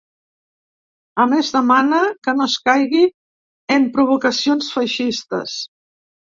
A més, demana que no es caigui ‘en provocacions feixistes’.